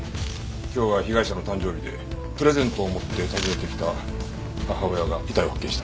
今日は被害者の誕生日でプレゼントを持って訪ねてきた母親が遺体を発見した。